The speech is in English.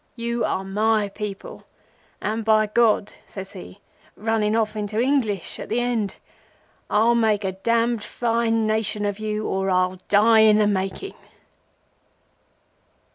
You are my people and by God,' says he, running off into English at the end—'I'll make a damned fine Nation of you, or I'll die in the making!